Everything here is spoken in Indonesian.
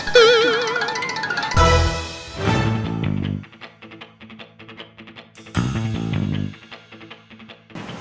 ini lah ini lah